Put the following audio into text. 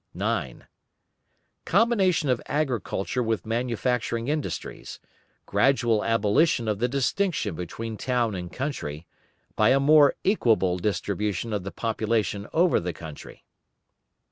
9. Combination of agriculture with manufacturing industries; gradual abolition of the distinction between town and country, by a more equable distribution of the population over the country.